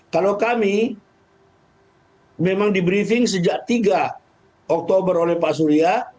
kalau kami memang di briefing sejak tiga oktober oleh pak surya